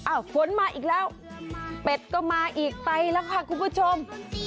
ฝนมาอีกแล้วเป็ดก็มาอีกไปแล้วค่ะคุณผู้ชม